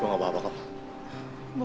terima kasih terobos